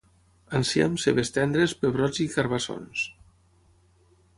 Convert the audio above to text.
Enciam, cebes tendres, pebrots i carbassons